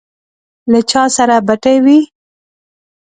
له چا سره بتۍ وې.